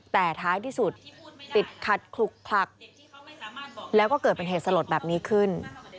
แต่ท้ายที่สุดติดขัดขลุกคลักแล้วก็เกิดเป็นเหตุสลดแบบนี้ขึ้น